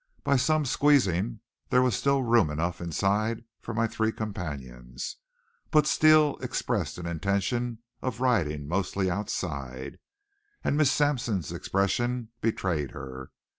By some squeezing there was still room enough inside for my three companions; but Steele expressed an intention of riding mostly outside, and Miss Sampson's expression betrayed her.